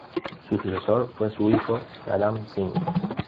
Su sucesor fue su hijo, Naram-Sin.